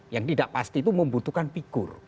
yang tidak pasti itu membutuhkan figur